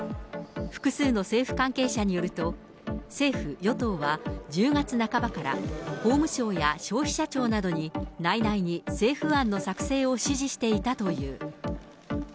複数の政府関係者によると、政府・与党は、１０月半ばから法務省や消費者庁などに内々に政府案の作成を指示していたという。